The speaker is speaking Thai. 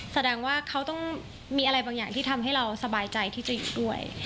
แสดงว่าเขาต้องมีอะไรบางอย่างที่ทำให้เราสบายใจที่จะด้วย